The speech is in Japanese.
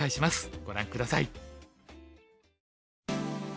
ご覧下さい。